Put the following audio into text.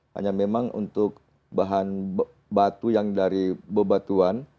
hanya memang untuk bahan batu yang dari bebatuan